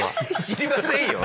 知りませんよ。